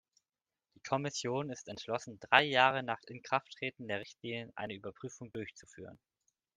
Die Kommission ist entschlossen, drei Jahre nach Inkrafttreten der Richtlinien eine Überprüfung durchzuführen.